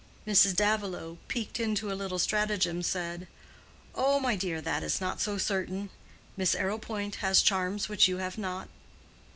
Mrs. Davilow, piqued into a little stratagem, said, "Oh, my dear, that is not so certain. Miss Arrowpoint has charms which you have not."